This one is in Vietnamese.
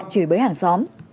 chỉ với hàng xe